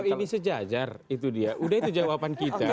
ini sejajar itu dia udah itu jawaban kita